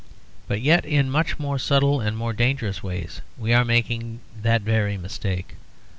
But yet in much more subtle and more dangerous ways we are making that very mistake.